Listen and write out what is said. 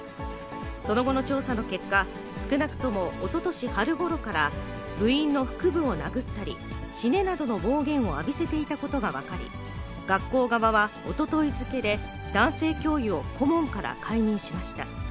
その後の調査の結果、少なくともおととし春ごろから、部員の腹部を殴ったり、死ねなどの暴言を浴びせていたことが分かり、学校側はおととい付けで、男性教諭を顧問から解任しました。